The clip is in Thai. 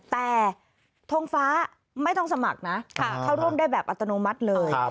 แต่ทงฟ้าไม่ต้องสมัครนะเข้าร่วมได้แบบอัตโนมัติเลย